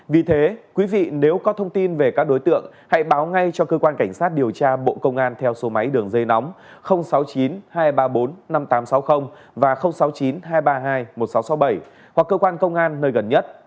vì thế quý vị nếu có thông tin về các đối tượng hãy báo ngay cho cơ quan cảnh sát điều tra bộ công an theo số máy đường dây nóng sáu mươi chín hai trăm ba mươi bốn năm nghìn tám trăm sáu mươi và sáu mươi chín hai trăm ba mươi hai một nghìn sáu trăm sáu mươi bảy hoặc cơ quan công an nơi gần nhất